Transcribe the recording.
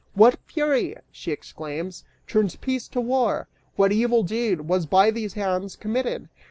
"What fury," she exclaims, "turns peace to war? What evil deed Was by these hands committed?